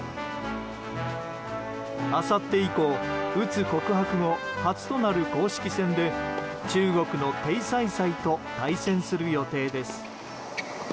あさって以降うつ告白後初となる公式戦で中国のテイ・サイサイと対戦する予定です。